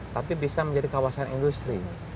tapi bisa menjadi kawasan industri